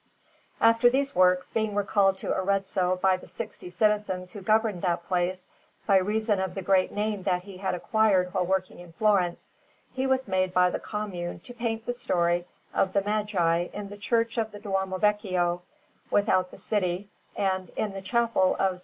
After these works, being recalled to Arezzo by the sixty citizens who governed that place, by reason of the great name that he had acquired while working in Florence, he was made by the Commune to paint the story of the Magi in the Church of the Duomo Vecchio, without the city, and, in the Chapel of S.